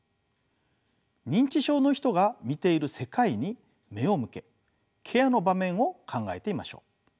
認知症の人が見ている世界に目を向けケアの場面を考えてみましょう。